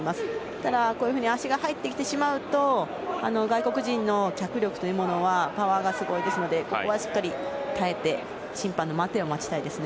ただ、このように足が入ってきてしまうと外国人の脚力というものはパワーがすごいですのでここはしっかり耐えて審判の待てを待ちたいですね。